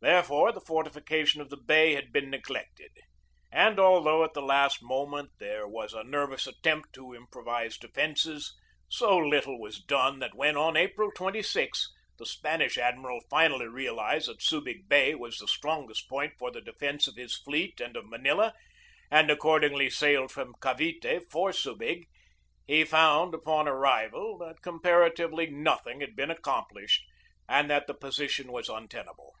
Therefore, the fortification of the bay had been neglected; and although at the last moment there was a nervous attempt to improvise defences, so little was done that when, on April 26, the Spanish admiral finally realized that Subig Bay was the strongest point for the defence of his fleet and of Manila, and accordingly sailed from Cavite for Subig, he found, upon arrival, that comparatively nothing had been accomplished and that the posi tion was untenable.